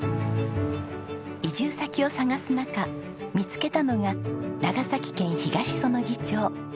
移住先を探す中見つけたのが長崎県東彼杵町。